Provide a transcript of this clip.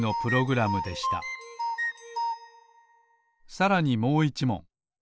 さらにもう１もん。